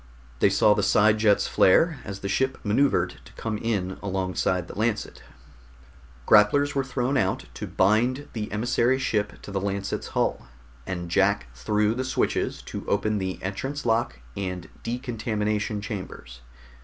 They saw the side jets flare as the ship maneuvered to come in alongside the Lancet. Grapplers were thrown out to bind the emissary ship to the Lancet's hull, and Jack threw the switches to open the entrance lock and decontamination chambers.